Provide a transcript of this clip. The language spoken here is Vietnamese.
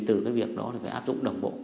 từ việc đó phải áp dụng đồng bộ